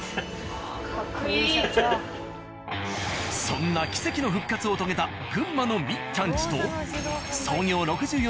そんな奇跡の復活を遂げた群馬の「みっちゃん家」と。